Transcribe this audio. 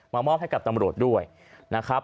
มอบให้กับตำรวจด้วยนะครับ